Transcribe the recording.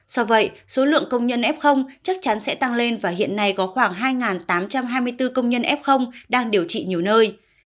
do vậy số lượng công nhân f chắc chắn sẽ tăng lên và hiện nay có khoảng hai tám trăm hai mươi bốn công nhân f đang điều trị nhiều nơi